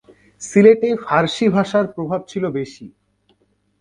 সিলেটে ফার্সী ভাষার প্রভাব ছিল বেশি।